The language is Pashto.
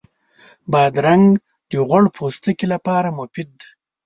بادرنګ د غوړ پوستکي لپاره مفید دی.